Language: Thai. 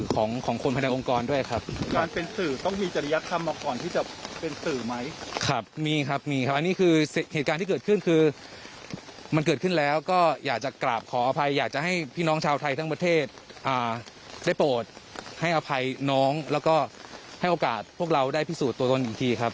ครับมีครับมีครับอันนี้คือเหตุการณ์ที่เกิดขึ้นคือมันเกิดขึ้นแล้วก็อยากจะกราบขออภัยอยากจะให้พี่น้องชาวไทยทั้งประเทศได้โปรดให้อภัยน้องแล้วก็ให้โอกาสพวกเราได้พิสูจน์ตัวตนอีกทีครับ